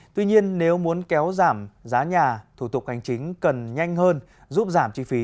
tuy nhiên nếu muốn kéo giảm giá nhà thủ tục hành chính cần nhanh hơn giúp giảm chi phí